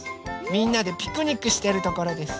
みんなでピクニックしてるところです。